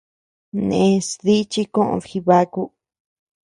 Nès dí chi koʼöd Jibaku.